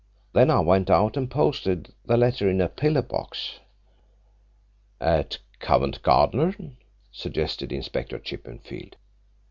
Then I went out and posted the letter in a pillar box." "At Covent Garden?" suggested Inspector Chippenfield.